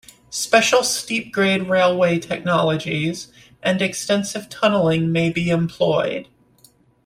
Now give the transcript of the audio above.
Special steep grade railway -technologies and extensive tunneling may be employed.